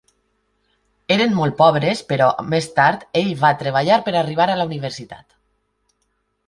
Eren molt pobres però, més tard, ell va treballar per arribar a la universitat.